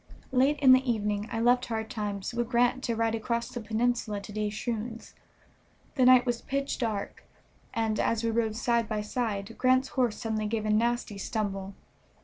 Late in the evening I left Hard Times with Grant to ride across the peninsula to De Shroon's. The night was pitch dark, and, as we rode side by side, Grant's horse suddenly gave a nasty stumble.